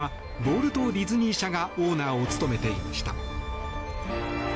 過去にはウォルト・ディズニー社がオーナーを務めていました。